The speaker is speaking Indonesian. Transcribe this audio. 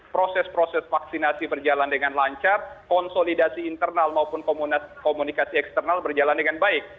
proses proses vaksinasi berjalan dengan lancar konsolidasi internal maupun komunikasi eksternal berjalan dengan baik